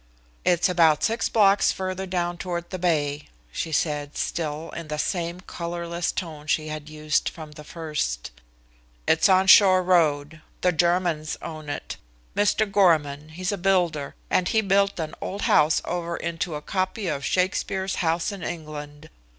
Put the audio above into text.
"It's about six blocks further down toward the bay," she said, still in the same colorless tone she had used from the first. "It's on Shore Road. The Germans own it. Mr. Gorman, he's a builder, and he built an old house over into a copy of Shakespeare's house in England.